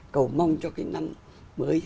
cầu mong cho cái năm mới